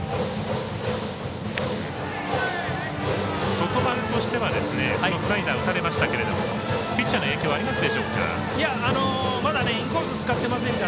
外丸としてはスライダー打たれましたがピッチャーの影響ありますでしょうか。